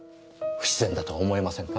不自然だと思いませんか？